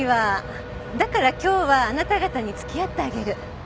だから今日はあなた方に付き合ってあげる。